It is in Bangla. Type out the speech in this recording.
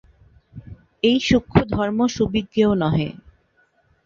এই সূক্ষ্ম ধর্ম সুবিজ্ঞেয় নহে।